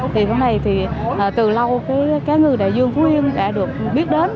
thì hôm nay thì từ lâu cái cá ngừ đại dương phú yên đã được biết đến